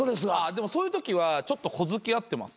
でもそういうときはちょっと小突き合ってます。